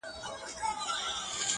جهاني به پر لکړه پر کوڅو د جانان ګرځي!.